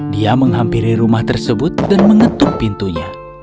dia menghampiri rumah tersebut dan mengetuk pintunya